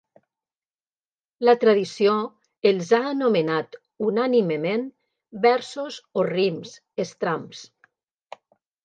La tradició els ha anomenat unànimement versos o rims, estramps.